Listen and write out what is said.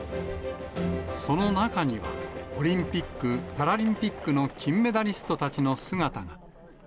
その中には、オリンピック・パラリンピックの金メダリストたちの姿が。